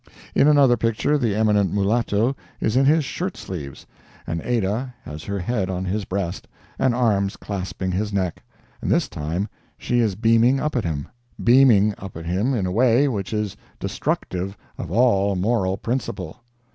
In another picture, the eminent mulatto is in his shirt sleeves, and Adah has her head on his breast, and arms clasping his neck, and this time she is beaming up at him—beaming up at him in a way which is destructive of all moral principle.